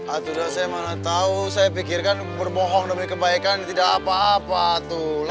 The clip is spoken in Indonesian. aturah saya mana tau saya pikirkan berbohong demi kebaikan tidak apa apa tuh lah